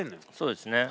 そうですね。